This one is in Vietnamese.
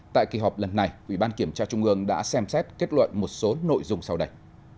tại kỳ họp lần này ủy ban kiểm tra trung ương đã xem xét kết luận một số nội dung sau đây